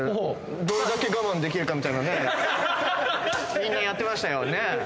みんなやってましたよね。